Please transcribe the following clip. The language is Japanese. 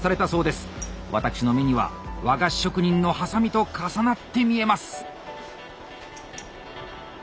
私の目には和菓子職人のハサミと重なって見えます。